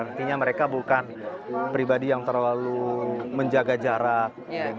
artinya mereka bukan pribadi yang terlalu menjaga jarak